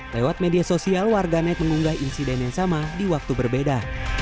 lewat media sosial warganet mengunggah insiden yang sama di waktu berbeda